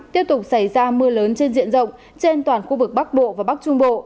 tiếp tục xảy ra mưa lớn trên diện rộng trên toàn khu vực bắc bộ và bắc trung bộ